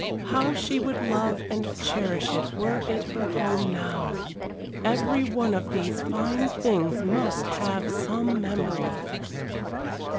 How she would love and cherish it were it her home now! Every one of these fine things must have some memory.